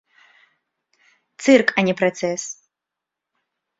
Цырк, а не працэс.